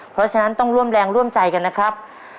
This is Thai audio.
เพราะฉะนั้นต้องร่วมแรงร่วมใจกันนะครับ